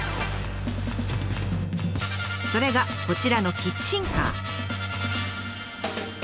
それがこちらのキッチンカー。